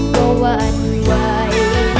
ก็ว่าอันไหวนี้